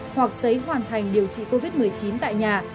hoặc giấy hoàn thành điều trị covid một mươi chín tại nhà